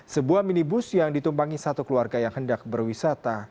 sebuah minibus yang ditumpangi satu keluarga yang hendak berwisata